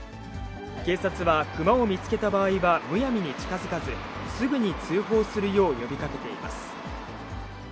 警察は、熊を見つけた場合はむやみに近づかず、すぐに通報するよう呼びかけています。